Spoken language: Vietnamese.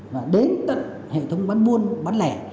và đến tận hệ thống bán buôn bán lẻ